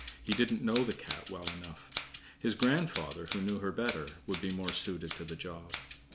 He didn't know the Cat well enough. His grandfather, who knew her better, would be more suited to the job.